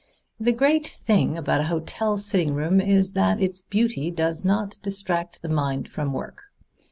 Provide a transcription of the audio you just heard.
"The great thing about a hotel sitting room is that its beauty does not distract the mind from work.